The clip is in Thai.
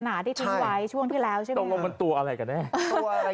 หนาที่ทิ้งไว้ช่วงที่แล้วใช่ไหม